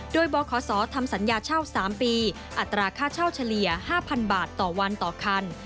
โดยบขทำสัญญาเช่า๓ปีอัตราค่าเช่าเฉลี่ย๕๐๐บาทต่อวันต่อคัน